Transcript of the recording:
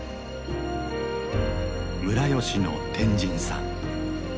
村吉の天神さん。